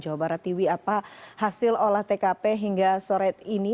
jawab pratiwi apa hasil olah tkp hingga sore ini